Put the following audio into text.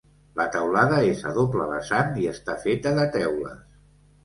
La teulada és a doble vessant i està feta de teules.